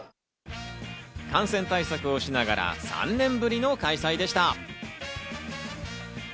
感染対策をしながら３年ぶりの開催でした。